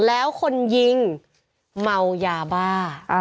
แล้วคนยิงเมายาบ้า